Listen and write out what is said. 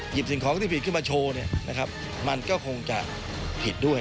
สิ่งของที่ผิดขึ้นมาโชว์เนี่ยนะครับมันก็คงจะผิดด้วย